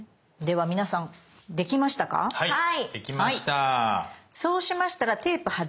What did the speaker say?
はい。